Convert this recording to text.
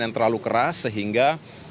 yang terlalu keras sehingga